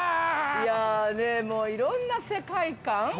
◆いやねぇ、いろんな世界観。